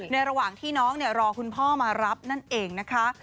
ระหว่างที่น้องรอคุณพ่อมารับนั่นเองนะคะ